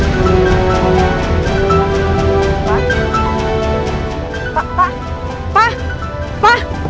pak pak pak pak